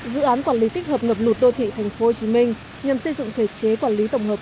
dự án quản lý tích hợp ngập lụt đô thị thành phố hồ chí minh nhằm xây dựng thể chế quản lý tổng hợp